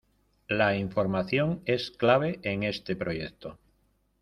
La información es clave en este proyecto.